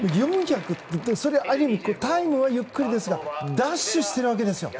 ４００って、ある意味タイムはゆっくりですがダッシュしてるわけですよ。